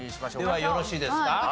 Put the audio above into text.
ではよろしいですか？